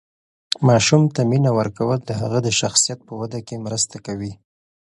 ماشوم ته مینه ورکول د هغه د شخصیت په وده کې مرسته کوي.